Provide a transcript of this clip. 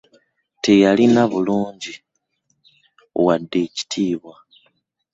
Teyalina bulungi wadde ekitiibwa.